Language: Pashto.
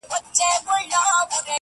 چي دا ولي اې د ستر خالق دښمنه!.